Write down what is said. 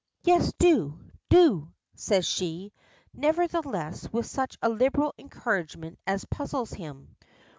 "Yes do do," says she, nevertheless with such a liberal encouragement as puzzles him.